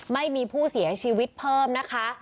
ไม่มีผู้เสียชีวิตเพิ่มนะคะ